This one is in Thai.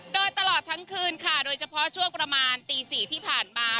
โดยตลอดทั้งคืนค่ะโดยเฉพาะช่วงประมาณตี๔ที่ผ่านมา